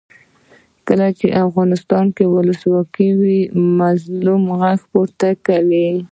کله چې افغانستان کې ولسواکي وي مظلوم غږ پورته کوي.